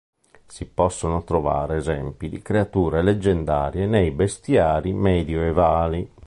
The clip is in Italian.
Si possono trovare esempi di creature leggendarie nei bestiari medioevali.